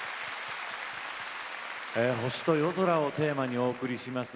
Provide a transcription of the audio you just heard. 星と夜空をテーマにお送りします。